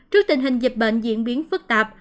trước tình hình dịch bệnh diễn biến phức tạp